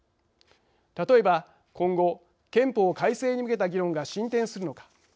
例えば、今後、憲法改正に向けた議論が進展するのか。